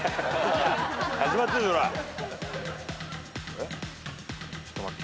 えっちょっと待って。